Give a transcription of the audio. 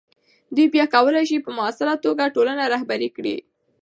دوی بیا کولی سي په مؤثره توګه ټولنه رهبري کړي.